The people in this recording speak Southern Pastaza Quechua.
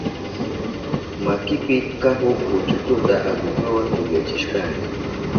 Makinipi kahuk pukuchuta aguhawa tukyachishkani.